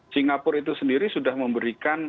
singapura itu sendiri sudah memberikan